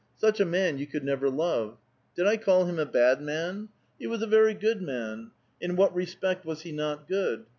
Such a man you could never love. Did I call him a bad man ? He was a very good man ; in what respect was he not good